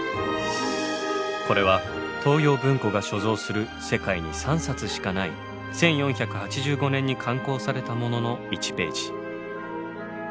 これは東洋文庫が所蔵する世界に３冊しかない１４８５年に刊行されたものの１ページ。